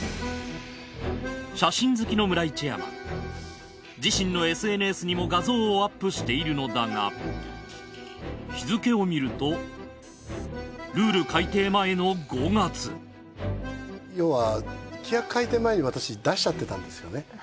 写真好きの村井チェアマンは自身のＳＮＳにも画像をアップしているのだが日付を見るとルール改訂前の５月要は契約改訂前に私出しちゃってたんですよね。